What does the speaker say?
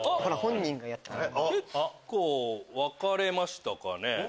分かれましたかね？